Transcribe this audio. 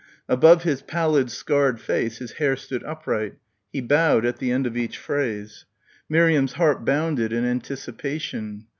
Above his pallid scarred face his hair stood upright. He bowed at the end of each phrase. Miriam's heart bounded in anticipation.